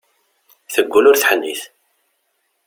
Teggull ur teḥnit.